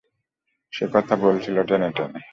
সে কথা বলছিল টেনে টেনে!